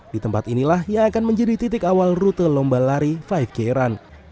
di tempat inilah yang akan menjadi titik awal rute lomba lari lima k run